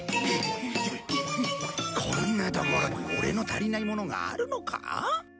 こんなところにオレの足りないものがあるのか？